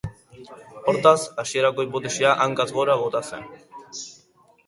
Hortaz, hasierako hipotesia hankaz gora bota zen.